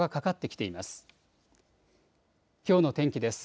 きょうの天気です。